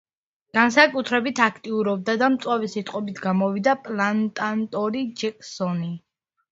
განსაკუთრებით აქტიურობდა და მწვავე სიტყვით გამოვიდა პლანტატორი ჯეკსონი.